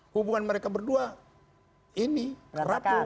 hubungan mereka berdua ini rapuh